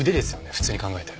普通に考えて。